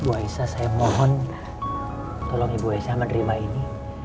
ibu aisyah saya mohon tolong ibu aisyah menerima ini